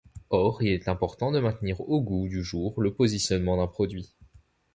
Or il est important de maintenir au goût du jour le positionnement d'un produit.